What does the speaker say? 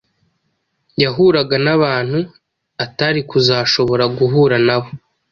yahuraga n’abantu atari kuzashobora guhura nabo